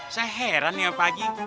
saya heran ya pak haji